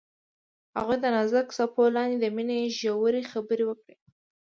هغوی د نازک څپو لاندې د مینې ژورې خبرې وکړې.